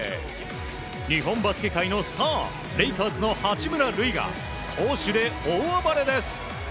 日本バスケ界のスターレイカーズの八村塁が攻守で大暴れです！